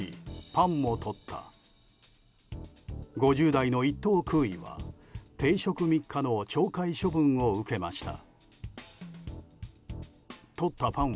５０代の１等空尉は停職３日の懲戒処分を受けました。